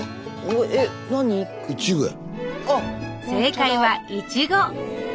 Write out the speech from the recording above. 正解はイチゴ！